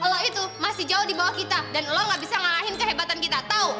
kalau itu masih jauh di bawah kita dan lo gak bisa ngalahin kehebatan kita tahu